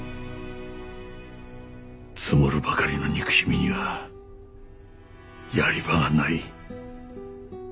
積もるばかりの憎しみにはやり場がない。